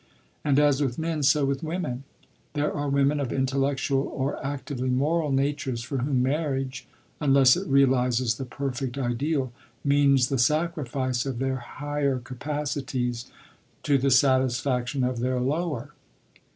And, as with men, so with women. There are women of intellectual or actively moral natures for whom marriage (unless it realizes the perfect ideal) means the sacrifice of their higher capacities to the satisfaction of their lower.